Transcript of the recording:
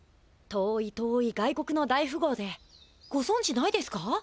遠い遠い外国の大ふごうでごぞんじないですか？